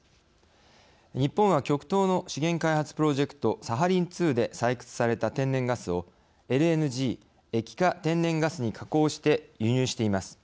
日本は極東の資源開発プロジェクトサハリン２で採掘された天然ガスをＬＮＧ液化天然ガスに加工して輸入しています。